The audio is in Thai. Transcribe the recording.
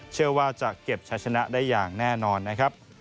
เชื่อว่าจะเก็บใช้ชนะได้อย่างแน่นอนนะครับ